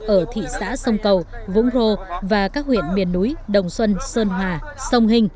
ở thị xã sông cầu vũng rô và các huyện miền núi đồng xuân sơn hòa sông hình